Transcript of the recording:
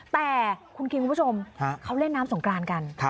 แต่คุณคิงคุณผู้ชมเขาเล่นน้ำสงกรานกัน